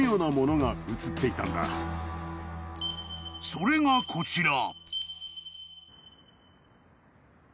［それがこちら］